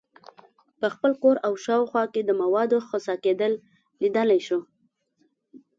په خپل کور او شاوخوا کې د موادو خسا کیدل لیدلي دي.